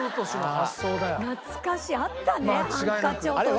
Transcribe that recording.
懐かしいあったねハンカチ落とし。